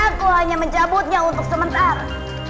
aku hanya mencabutnya untuk sementara